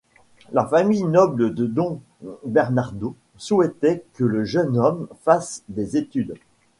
La famille noble de Don Bernardo souhaitait que le jeune homme fasse des études.